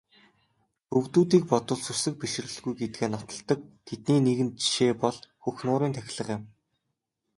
Төвөдүүдийг бодвол сүсэг бишрэлгүй гэдгээ нотолдог тэдний нэгэн жишээ бол Хөх нуурын тахилга юм.